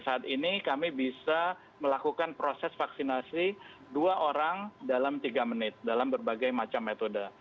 saat ini kami bisa melakukan proses vaksinasi dua orang dalam tiga menit dalam berbagai macam metode